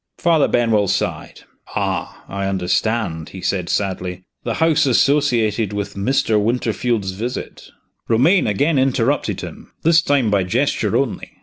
Father Benwell sighed. "Ah, I understand!" he said, sadly. "The house associated with Mr. Winterfield's visit " Romayne again interrupted him this time by gesture only.